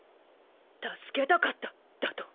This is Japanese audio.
助けたかっただと！？